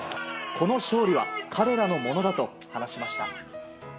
この勝利は彼らのものだと話しました。